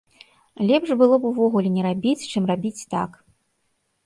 Лепш было б увогуле не рабіць, чым рабіць так.